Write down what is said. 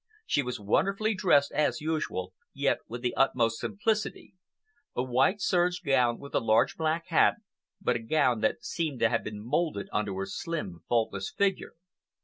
She was wonderfully dressed, as usual, yet with the utmost simplicity,—a white serge gown with a large black hat, but a gown that seemed to have been moulded on to her slim, faultless figure.